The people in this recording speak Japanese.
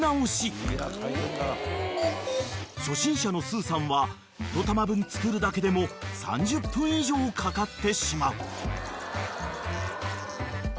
［初心者のすーさんは１玉分作るだけでも３０分以上かかってしまう］